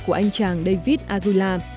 của anh chàng david aguila